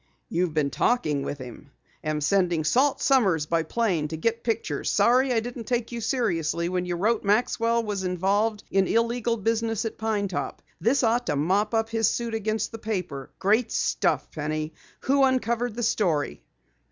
"YOU'VE BEEN TALKING WITH HIM. AM SENDING SALT SOMMERS BY PLANE TO GET PICTURES. SORRY I DIDN'T TAKE YOU SERIOUSLY WHEN YOU WROTE MAXWELL WAS INVOLVED IN ILLEGAL BUSINESS AT PINE TOP. THIS OUGHT TO MOP UP HIS SUIT AGAINST THE PAPER. GREAT STUFF, PENNY! WHO UNCOVERED THE STORY?"